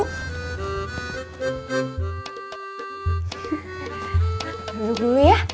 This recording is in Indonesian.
duduk dulu ya